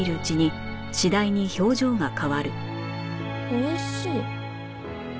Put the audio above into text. おいしい！